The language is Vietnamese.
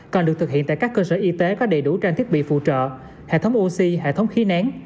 còn được thực hiện tại các cơ sở y tế có đầy đủ trang thiết bị phụ trợ hệ thống oxy hệ thống khí nén